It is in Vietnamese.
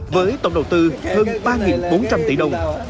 với tổng đầu tư hơn ba bốn trăm linh tỷ đồng